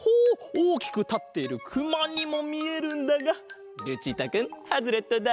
おおきくたっているくまにもみえるんだがルチータくんハズレットだ！